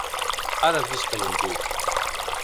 Ara visc en un pis.